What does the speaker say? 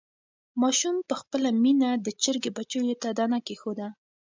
ماشوم په خپله مینه د چرګې بچیو ته دانه کېښوده.